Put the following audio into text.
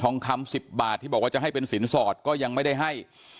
งคำ๑๐บาทที่บอกว่าจะให้เป็นสินสอดก็ยังไม่ได้ให้